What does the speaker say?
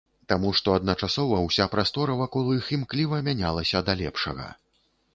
Таму што адначасова ўся прастора вакол іх імкліва мянялася да лепшага.